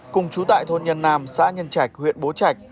cùng chú tại thôn nhân nam xã nhân trạch huyện bố trạch